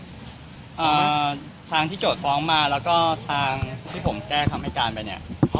ทางที่โจทย์ฟ้องมาแล้วก็ทางที่ผมแก้คำให้การไปเนี่ย